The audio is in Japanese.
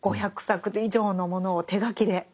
５００作以上のものを手書きで。